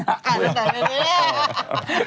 อ่าไม่ได้